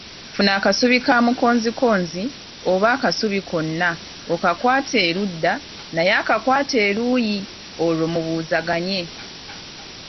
Funa akasubi ka mukonzikonzi oba akasubi konna okakwate erudda naye akakwate eruuyi, olwo mubuuzaganye.